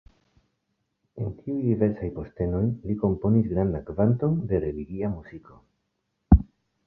En tiuj diversaj postenoj li komponis grandan kvanton de religia muziko.